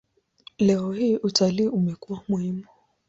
Leo hii utalii umekuwa muhimu.